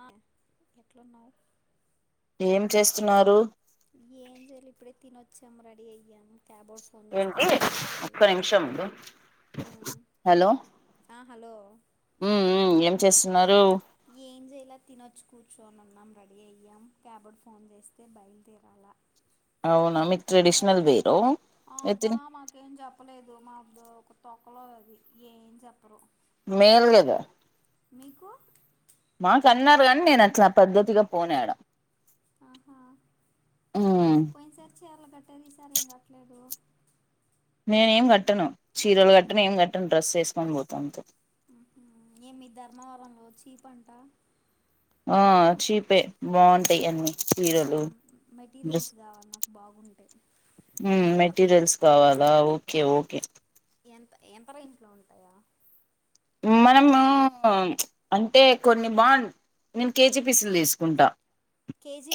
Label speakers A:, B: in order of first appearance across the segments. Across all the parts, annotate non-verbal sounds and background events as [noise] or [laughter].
A: ఆ ఎట్లున్నావ్
B: ఏం చేస్తున్నారు
A: ఏం జెయలే ఇప్పుడే తినొచ్చాం రెడీ అయ్యాము క్యాబోడ్ ఫోన్ చేస్తే
B: ఏంటి
A: బయలుదేరాలి
B: ఒక్క నిమిషము
A: ఉమ్
B: హలో
A: ఆ హలో
B: మ్ మ్ చేస్తున్నారు
A: ఏం చేయలా తినొచ్చి కూర్ షోను ఉన్నాం రెడీ అయ్యాం క్యాబోడు ఫోన్ చేస్తే బయలుదేరాలా
B: అవున మీకు ట్రెడిషనల్ వే
A: ఆ అబ్బా మాకేం చెప్పలేదు మాక్ దో క్ తో క్కలోది ఏం చెప్పరు
B: మేల్ గద
A: మీకు
B: మాకన్నారు గని నేను అట్లా పద్ధతిగా పోనియడ
A: ఆహా
B: ఉమ్
A: పోయిన్సారీ చి చీరలు కట్టేది ఈసారి ఏం కట్టలేదు
B: నేను ఏం కట్టను చీరలు కట్టను ఏం కట్టను డ్రస్ చేసుకొని పోతా అంతే
A: ఉహు ఏమి ధర్మవరంలో చీపంట
B: ఆ చీపే బాగుంటాయి అన్నీ
A: ఆ మెటీరియల్స్ కావాలి నాకు బాగుంటయ్
B: ఉమ్ మెటీరియల్స్ కావాలా ఓకే ఓకే
A: ఎంత ఎంత రేంట్లో ఉంటాయా
B: మనము అంటే కొన్ని బాగు నేను కేజీ పిస్లు తీసుకుంటా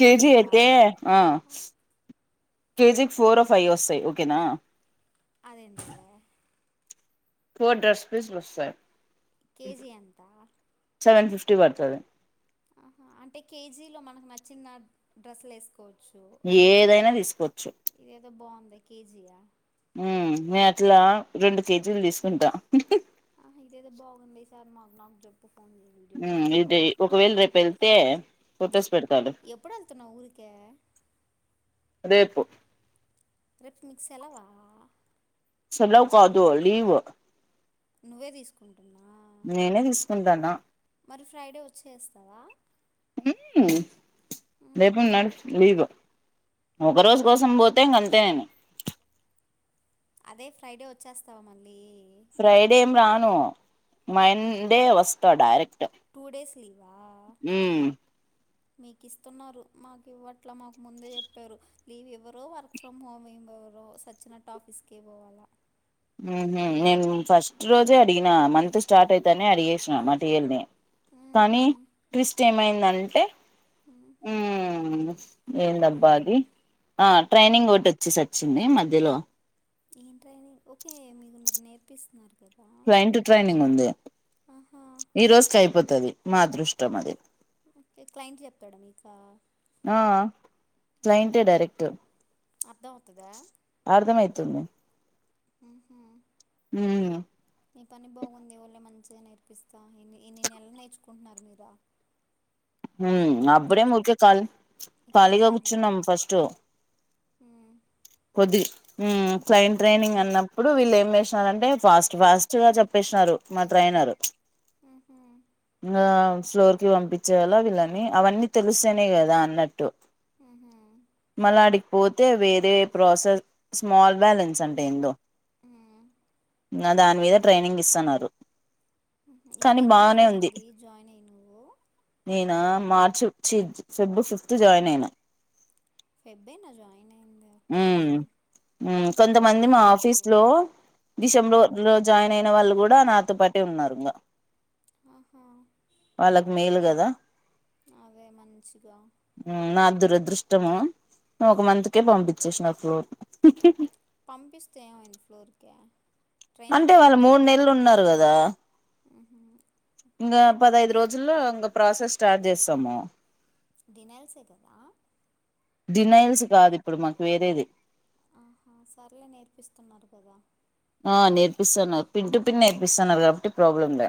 B: కేజీ అయితే ఆ కేజీకి ఫోరో ఫై వస్తాయి ఓకేనా
A: అదేంటే
B: ఫోర్ డ్రెస్ పిస్ లు వత్తాయి
A: కేజీ ఎంత
B: చుట్టి బడుతది
A: ఆహా అంటే కేజీలో మనకు నచ్చిన డ్రెస్సులు వేసుకోవ
B: ఏదైనా తీసుకోవచ్చు
A: లైక్ కేజీ ఆ?
B: ఉమ్ నేను అట్లా రెండు కేజీలు తీసుకుంటా
A: ఆహా ఇదేదో బాగుందే ఈసారి మాకు నాకు చెప్
B: ఉమ్ ఇది ఒకవేళ రేపు వెళ్తే ఫొటోస్ పెడతాలే
A: ఎప్పుడేళ్తున్నావ్ ఊరికే
B: రేపు
A: రేపు సెలవా
B: సెలవు కాదు లీవ్
A: నువ్వే తీసుకుంటున్నా
B: నేనే తీసుకుంటానా
A: మరి ఫ్రైడే వచ్చేస్తావా
B: హు
A: ఉమ్,
B: రేపు నర్స్ లివ్ ఒక రోజు కోసం పోతే ఇంకాఅంతే నేను
A: అదే ఫ్రైడే వచ్చేస్తావా మళ్ళీ
B: ఫ ఫ్రైడే ఏం రాన మండే వస్తా డైరెక్ట్
A: టూ డేస్ లీవా
B: మ్మ్
A: మీకు ఇస్తున్నారు మాకు ఇవ్వట్ల మాకు ముందే చెప్పారు లీవ్ ఇవ్వరు వర్క్ చేసి ఫ్రమ్ హోమ్ ఏమీవ్వరు సచ్చినట్టు ఆఫీస్కి పోవాలా
B: ఉహు నేను ఫస్ట్ రోజే అడిగినా మంత్ స్టార్ట్ అయితానే అడిగేసిన మా టీయేల్ని
A: ఊహు
B: కానీ ట్విస్ట్ ఏమైందంన్ ఉంటే
A: ఉ
B: ఏం బ్బా అది ఆ ట్రైనింగ్ బోర్డ్ వచ్చి సచ్చింది మధ్యలో
A: ఏంటైని ఓకే మీకు నేర్పిస్తున్నారు కదా
B: ఫ్లైట్ ట్రైనింగ్ ఉంది
A: ఆహా
B: ఈ రోజుకి అయిపోతుది మా అదృష్టం ఆది
A: క్లయింట్ చెప్తాడా మీకా
B: ఆ క్లయింటే డైరెక్ట్
A: అర్థం అవుతదా
B: [unintelligible]
A: ఉహు
B: ఊ
A: మీ పని బాగుంది ఎవరో మంచిగా నేర్పిస్తాను ఎన్ని ఎన్ని నెలలు నేర్చుకుంటున్నారు మీరా
B: ఉ అప్పుడే ముచ్చట్లు ఖ ఖాళీగా కూర్చున్నాం ఫస్ట్
A: ఉ
B: కొద్దిగా హు క్లయింట్ ట్రైనింగ్ అన్నప్పుడు వీళ్ళు ఏం చేసినారంటే ఫాస్ట్ ఫాస్ట్ గా చెప్పేసినారు మాత్యినారు
A: ఉహు
B: హా స్టోర్ కి పంపించేవాళ్ళ వీళ్ళని అవన్నీ తెలుస్తేనే కదా అన్నట్టు
A: ఊహు.
B: మలాడి పోతే వేరే ప్రోసెస్ స్మల్ బ్యాలెస్ అంటే ఏందు
A: ఊ
B: నా దాని మీద ట్రైనింగ్ ఇస్తున్నారు
A: ఇప్పుడు
B: కానీ
A: ఎన్ని
B: బాగానే
A: నెల
B: ఉంది
A: అయింది జాయిన్ అయి నువ్వు
B: మార్చి చీ ఫిబ్ ఫిఫ్త్ జాయిన్ అయిన
A: ఫెబ్బేనా జాయిన్ అయింది
B: ఉ
A: ఓకే
B: ఉ
A: ఒక
B: కొంతమంది
A: నెల
B: మా
A: అయింది
B: ఆఫీస్ లో
A: మ్,
B: డిసెంబర్ లో జాయిన్ అయి న్న వాళ్ళు కూడా నాతోపాటే ఉన్నారు ఇంగ
A: ఆహా
B: వాళ్ళకి మేలు కదా
A: అదే మంచిగా
B: నా దురదృష్టము ఒక మంత్కే పంపించేసిన ప్లోర్
A: పంపిస్తే ఏమైంది ఫ్లోరుకి
B: అంటే వాళ్ళు మూడు నెలలు ఉన్నారు కదా
A: మ్హూ.
B: ఇంకా పదహైదు రోజుల్లో ఇంకా ప్రాసెస్ స్టార్ట్ చేస్తాము
A: దినాల్సే కదా
B: డినైల్స్ కాదు ఇప్పుడు మాకు వేరేది
A: ఆహా సర్ లే నేర్పిస్తున్నారు కదా
B: ఆ నేర్పిస్తున్నారు పిన్ టు పిన్ నేర్పిస్తున్నారు కాబట్టి ప్రాబ్లంలే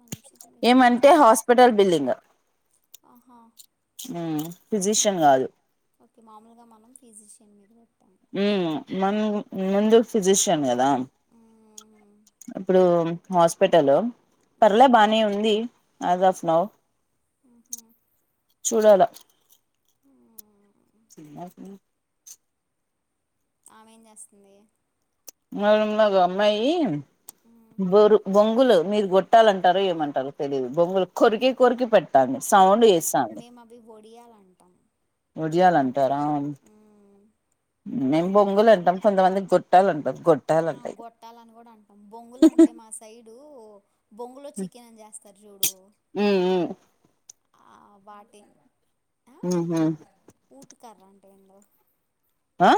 A: మంచిది మీకు
B: ఏమంటే
A: మంచిగా
B: హాస్పిటల్
A: చేస్తున్నారు
B: బిల్డింగ్
A: ఆహా
B: ఫిజిషియన్ కాదు
A: ఓకే మామూలుగా మనం ఫిజిషియన్ మీద పెట్టతాం
B: హుమ్ మన ముందు ఫిజిషియన్ కదా
A: మ్మ్.
B: ఇప్పుడు హాస్పిటల్ పర్లే
A: మ్హూ.
B: బానే ఉంది అది అస్ నవ్
A: ఉహు
B: చూడాల సినిమాకి
A: ఆమె ఏం చేస్తుంది
B: మా రూమ్ లో ఒగా అమ్మాయి
A: మ్మ్.
B: బోరు బొంగ బొంగులు మీరు గొట్టాలంటారో ఏమంటారో తెలియదు బొంగులు కొరికి కొరికి పెట్టతంది.
A: మేము అవి వడియాలంటాం
B: ఒడియాలలాంటి అంటారా మేము బొంగులు అంటాం కొంతమంది గొట్టాలు అంటారు
A: ఆ గొట్టాలని కూడా అంటాం బొంగులు అంటే మా సైడ్ డు బొంగులో చికెన్ అని చేస్తారు చూడు
B: మ్మ్ మ్మ్
A: ఆ వాటిన్
B: హు హ్మ్
A: కర్రంటే ఏందో
B: ఆ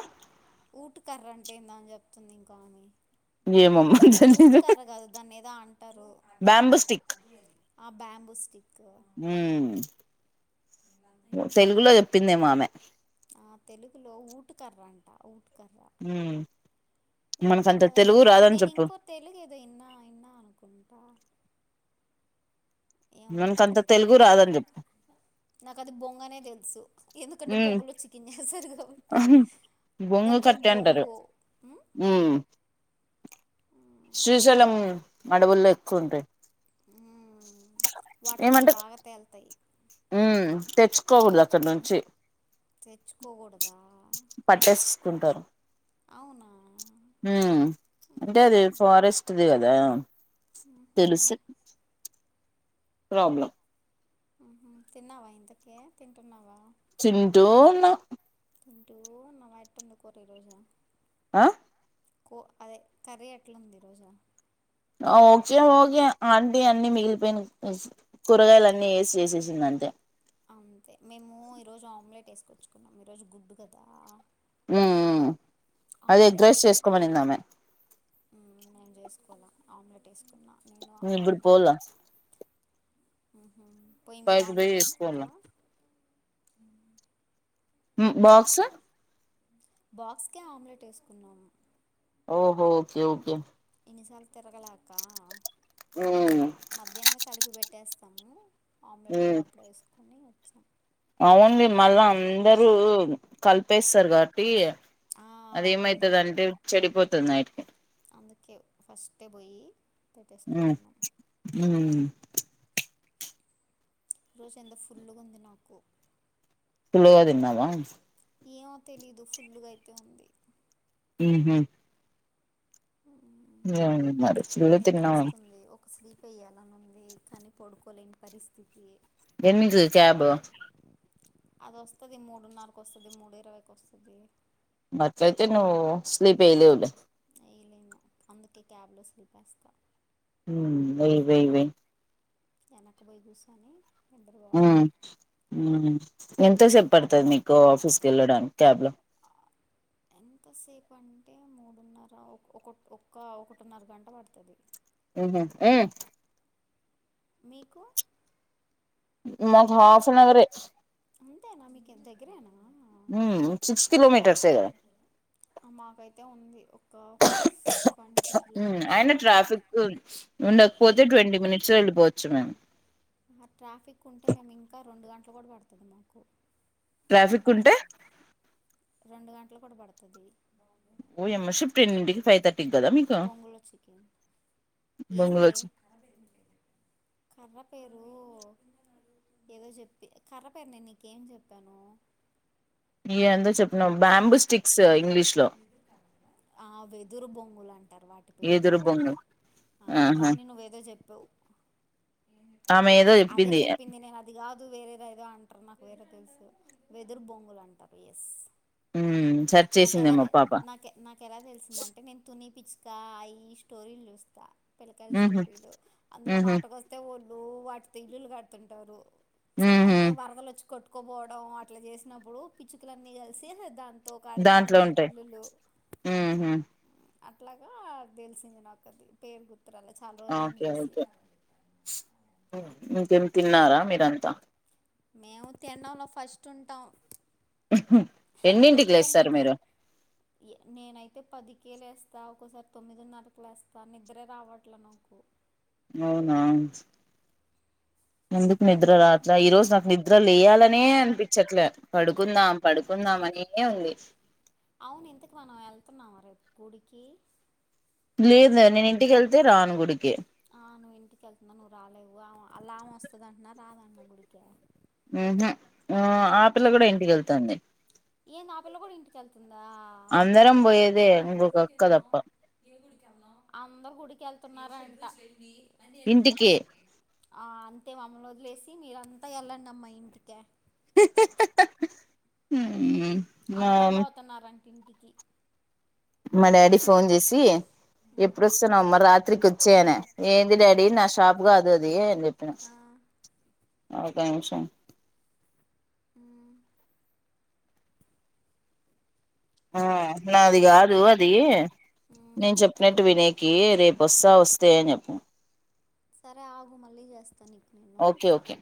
A: ఊట్ కర్రంటేందాన్ జెప్ ప్తుంది ఇంకామె
B: ఏమమ్మ
A: ఊట్ట్
B: తెలీదు
A: కర్ర గదు దాన్నేదో అంటరూ
B: బ్యాంబూ
A: ఆ బ్యాంబో స్టిక్
B: హ్మ్ ప్చ్ తెలుగులో చెప్పిందేమో ఆమె
A: అ తెలుగులో ఊట్ట్ కర్రాంట ఊట్
B: హ్మ్
A: ఊట్ట్ కర్ర దా నేన్ నేనింకో తెలుగేదో ఇన్నా ఇన్నా అనుకుంటా ఏమో
B: మనకంత
A: గుర్తులేదులే
B: తెలుగు
A: నక్కు,
B: రాదని చెప్పు
A: నాకది బొంగనే దెల్సు ఎందుకంటే,
B: ఉమ్
A: బొంగులో చికెన్ జేస్సరుగ కావట్టి
B: బొంగు
A: దాన్, పేరు
B: కట్టె అంటారు
A: బొంగు హ్మ్
B: ఉమ్ శ్రీశైలం అడవుల్లో ఎక్కువ ఉంటయ్
A: వాటర్
B: హ్మ్మ్
A: మీద బాగా తేలుతాయి
B: తెచ్చుకోకూడదు అక్కడ్నుంచి
A: తెచ్చుకోకూడదా అహ అవునా
B: హ్మ్మ్ అంటే
A: మ్హూ.
B: అది ఫారెస్ట్ ది కదామ్, ప్చ్
A: మ్హూ.
B: తెలుస్సు ప్రాబ్ల
A: హ్మ్ హు తిన్నావా ఇంతకే తింటున్నావా
B: చింటోన్న హ్ర్
A: తింటూన్నవా ఎట్టుంది కూర ఈ రోజు
B: ఆ
A: కో అదే కర్రీ ఎట్లుంది ఈ రోజా
B: ఆవ్ ఒకే ఓగ్యే ఆంటీ అన్ని మిగిలిపోయిన, ఎస్స్ కూరగాయలన్ని ఏసి చేసేసింది అంతే.
A: అంతే మేము ఈరోజు ఆమ్లెట్ వేసుకొచ్చుకున్నాం ఈరోజు గుడ్డు కదా
B: మ్ మ్మ్
A: ప్చ్ ఆమ్లెట్ ఎస్కోన్ హ్మ్ నేన్ జెస్ పోల్ల ఆమ్లెటేస్
B: నీ ఇబ్బుడు పోల్ల
A: హ్మ్ పోయి మీరు
B: పోయి చేసుకోవాల
A: ఆమ్లెటేసుకుంట్రా
B: హ్మ్ బాక్స్
A: బాక్స్కే ఆమ్లెటేసుకున్నమ్
B: ఓహో ఓకే ఓకే
A: ఎన్నిసార్లు తిరగలక్కా ఆ
B: ఉమ్
A: మధ్యానమే కలిపి వెట్ ట్టేస్తాము ఆమ్లెట్ కూడా అప్పుడే వేసుకొని [unintelligible]
B: అవును మళ్ళా అందరూ కలిపేస్తారు కాబట్టి
A: ఆ,
B: అదేమైతది
A: అందుకే
B: అంటే చెడిపోతది నైట్
A: ఓకే ఫస్ట్ పోయి పెట్టేసుకుంటున్నాం
B: ఉ
A: రోజు ఎంత ఫుల్లుగా ఉంది నాకు
B: ఫుల్గా తిన్నావా
A: ఏమో తెలీదు ఫుల్లుగా అయితే ఉంది
B: ఉహు ఏ
A: మ్మ్.
B: మరి ఫుల్
A: నిద్ర
B: తిన్నా
A: వస్తుంది ఒక స్లీప్ వయ్యాలని ఉంది కానీ పడుకోలేని పరిస్థితి
B: ఎన్నించులు చాపు
A: అది వస్తది మూడున్నరకు వస్తది మూడు ఇరవైకి వస్తది
B: అట్ అయితే నువ్ స్లీప్ వెయలేవులే
A: వేలేను అందుకే క్యాబ్లో స్లీపేస్తాను
B: వెయి వెయి వెయి
A: వెనక పోయి కూసోని
B: ఉ ఎంత సేపు పడుతది నీకు ఆఫీస్ కి వెళ్ళడానికి క్యాబ్ లో
A: ఎంతసేపు అంటే మూడున్నర ఒక ఒక్క ఒకటిన్నర గంట పడుతుంది
B: ఉ హు
A: మీకు
B: మకు అఫ్ నవర్
A: అంతేనా మీకు దగ్గరేనా
B: సిక్స్ కిలోమీటర్స్
A: అయితే ఉంది ట్వంటీ కిలోమీటర్స్
B: అయిన
A: ఏమో ఉంది
B: ట్రాఫిక్ ఉండకపోతే ట్వంటీ మినిట్స్ లో వెళ్ళిపోవచ్చు మేము
A: ఆ ట్రాఫిక్ ఉంటే మేము ఇంకా రెండు గంటలు కూడా పడుతుంది మాకు
B: ట్రాఫిక్ ఉంటే
A: అట్లా కూడా పడుతది
B: ఓయమ్మా షిఫ్ట్ అయ్యింది ఇంటికి ఫైవ్ థర్టీకి కదా మీకు
A: బొంగులో చికెన్
B: బంగళ
A: ఏంది కర్ర పేరు ఏదో చెప్పి కర్రీ పేరు నేను నీకేం చెప్పాను
B: ఏందో చెప్పినం బాంబు స్టిక్
A: ఆ వెదురు బొ లాండ్ అ వాటికి
B: ఎదురు
A: వాటిని
B: బొంగు
A: ఆ
B: ఆహా
A: బానే నువ్వు ఏదో చెప్పావు
B: ఆమె ఏదో
A: అది చెప్పింది నేను అది కాదు వేరేదో ఏదో అంటారు నాకు వేరే తెలుసు వెదురు బొంగులు అంటారు ఎస్
B: ఉ స
A: నాకేలా తే నాక్ నాకు ఎలా తెలిసిందంటే నేను తుని న్స్టా ఈ స్టోరీలు చూస్తా పిలకాయల
B: ఉహు
A: స్టోరీలు అందులో
B: ఉహు
A: మాటకొస్తే టు వాటితో ఇల్లులు కడుతుంటారు
B: ఉహు
A: అంటే వరదలు వచ్చి కొట్ కొపోవడం అట్లా చేసినప్పుడు పిచ్చుకులన్నీ కలిసి దాంతో కడతా
B: దాంట్లో
A: ఉంటారు
B: ఉంటాయి
A: ఇల్లులు
B: మ్ హు
A: అట్లాగా తెలిసింది నాకది పేరు గుర్
B: ఓకే ఒకే హు ఇంకేం తిన్నారా మీరంతా
A: మేము తినడంలో ఫస్ట్ ఉంటాం
B: ఎన్నింటికి
A: ఒంటి
B: లేస్తారు
A: గంటకే
B: మీరు
A: ఇ నేనైతే పది ేలేస్తా ఒక్కోసారి తొమ్మిదిన్నరకులు లేస్తా నిద్రే రావట్లనాకు
B: అవునా ఎందుకు నిద్ర రాట్లే ఈ రోజు నాకు నిద్ర లేయాలనే అనిపించట్లే పడుకుందాం పడుకుందాం అనే ఉంది
A: అవును ఇంతకు మనం వెళ్తున్నామ రేపు గుడికి
B: లేదు నేను ఇంటికిెళ్తే రాను గుడికి
A: ఆ నువ్వు ఇంటికి వెళ్తున్నా నువ్వు రాలేవు ఆల్ అళ్ళమే వస్తుందంటన్నా రాదంటన గుడికే
B: మ్ హు ఆపిల్ల కూడా ఇంటికెళ్తాంది
A: ఏందా పిల్ల కూడా ఇంటికిళ్తుం
B: అందరం పోయేదే ఇంకొక అక్క తప్ప
A: ందా అందరు గుడికేళ్తున్నారంట
B: ఇంటికి
A: ఏంది ఆ మమ్మల్ని వదిలేసి మీరంతా వెళ్ళండమ్మా ఇంటికే
B: హు
A: అందరు పోతున్నారన్ ఇంటికి
B: మా డాడీ ఫోన్ చేసి
A: ఉమ్,
B: ఇప్పుడోస్తున్నవమ్మ రాత్రికి వచ్చేయనే
A: వెళ్ళిపో
B: ఏంది డాడీ నా షాప్గా కాదది అని చెప్పిన
A: ఆ
B: ఒక నిమిషం
A: ఆ
B: ఆ
A: షాప్
B: నాది
A: ఉమ్,
B: కాదు అది
A: ఉమ్.
B: నేను చెప్పినట్టు వినేకి రేపోస్తా వస్తే అని చెప్పు
A: సరే ఆగు మళ్ళీ చేస్త నీకు నీను
B: ఓకే ఓకే